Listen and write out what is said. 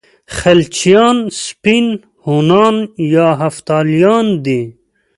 خلجیان سپین هونان یا هفتالیان دي.